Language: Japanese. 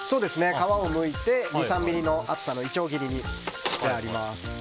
皮をむいて２３ｍｍの厚さのいちょう切りにしてあります。